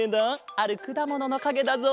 あるくだもののかげだぞ。